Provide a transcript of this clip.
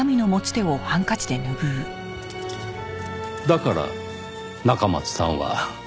だから中松さんは。